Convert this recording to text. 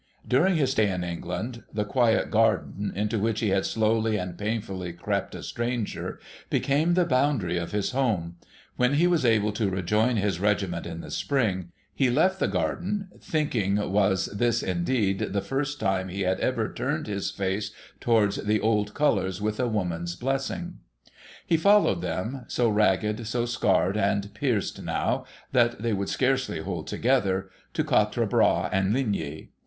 During his stay in England, the quiet garden into which he had slowly and painfully crept, a stranger, became the boundary of his home ; when lie was able to rejoin his regiment in the sjjring, he left the garden, thinking was this indeed the first time he had ever turned his face towards the old colours with a woman's blessing ! He followed them — so ragged, so scarred and pierced now, that they would scarcely hold together — to Quatre Bras and Ligny.